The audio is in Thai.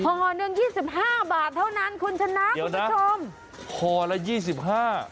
ห่อหนึ่งยี่สิบห้าบาทเท่านั้นคุณชนะคุณผู้ชมห่อละยี่สิบห้า